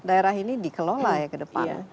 daerah ini dikelola ya ke depan